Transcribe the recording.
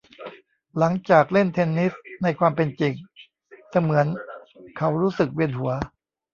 หลังจากเล่นเทนนิสในความเป็นจริงเสมือนเขารู้สึกเวียนหัว